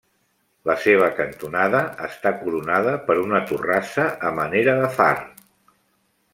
La seva cantonada està coronada per una torrassa a manera de far.